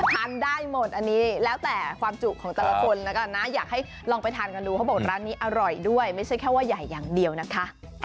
ทานได้หมดอันนี้แล้วแต่ความจุของแต่ละคนแล้วกันนะอยากให้ลองไปทานกันดูเขาบอกร้านนี้อร่อยด้วยไม่ใช่แค่ว่าใหญ่อย่างเดียวนะคะ